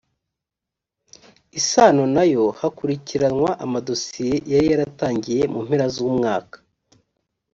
isano na yo hanakurikiranwa amadosiye yari yaratangiye mu mpera z umwaka